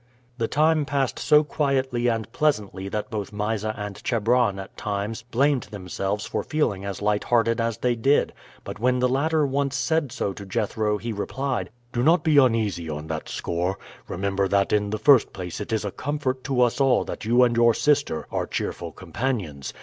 The time passed so quietly and pleasantly that both Mysa and Chebron at times blamed themselves for feeling as light hearted as they did; but when the latter once said so to Jethro he replied: "Do not be uneasy on that score. Remember that in the first place it is a comfort to us all that you and your sister are cheerful companions.